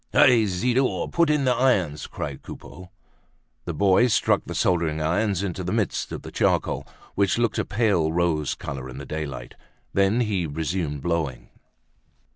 "Hi! Zidore, put in the irons!" cried Coupeau. The boy stuck the soldering irons into the midst of the charcoal, which looked a pale rose color in the daylight. Then he resumed blowing.